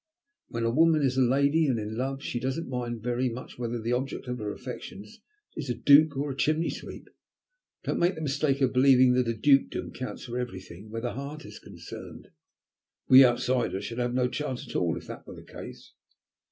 When a woman is a lady, and in love, she doesn't mind very much whether the object of her affections is a Duke or a chimney sweep. Don't make the mistake of believing that a Dukedom counts for everything where the heart is concerned. We outsiders should have no chance at all if that were the case."